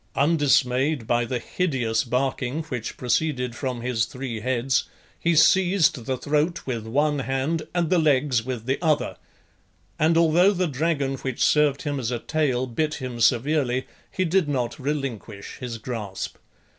Undismayed by the hideous barking which proceeded from his three heads, he seized the throat with one hand and the legs with the other, and although the dragon which served him as a tail bit him severely, he did not relinquish his grasp.